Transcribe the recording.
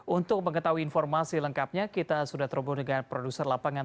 dua ribu dua puluh empat untuk mengetahui informasi lengkapnya kita sudah terbunuh dengan produser lapangan